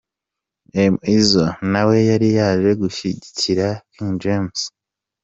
M Izzle nawe yari yaje gushyigikira King James.